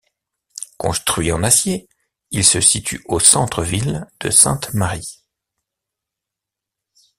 Construit en acier, il se situe au centre-ville de Sainte-Marie.